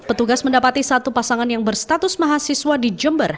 petugas mendapati satu pasangan yang berstatus mahasiswa di jember